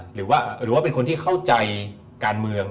หรือว่าเป็นคนที่เข้าใจการเมือง